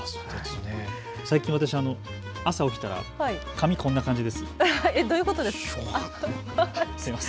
最近私、朝起きたら、髪、こんな感じです。